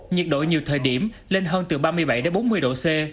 nhiệt độ nhiều thời điểm lên hơn từ ba mươi bảy đến bốn mươi độ c